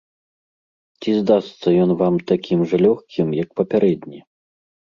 Ці здасца ён вам такім жа лёгкім, як папярэдні?